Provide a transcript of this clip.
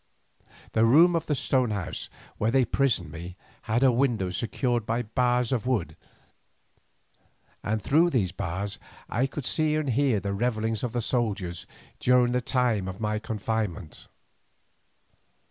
The room of the stone house where they prisoned me had a window secured by bars of wood, and through these bars I could see and hear the revellings of the soldiers during the time of my confinement.